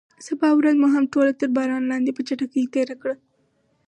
سبا ورځ مو هم ټوله ورځ تر باران لاندې په چټکۍ تېره کړه.